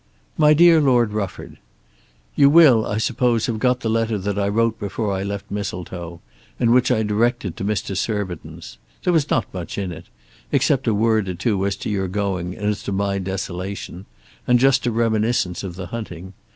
MY DEAR LORD RUFFORD, You will I suppose have got the letter that I wrote before I left Mistletoe, and which I directed to Mr. Surbiton's. There was not much in it, except a word or two as to your going and as to my desolation, and just a reminiscence of the hunting.